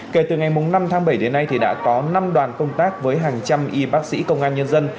kể từ ngày năm tháng bảy đến nay đã có năm đoàn công tác với hàng trăm y bác sĩ công an nhân dân